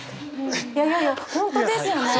いやいや本当ですよね。